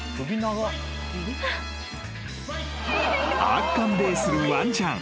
［あっかんべーするワンちゃん］